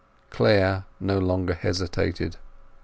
Clare no longer hesitated.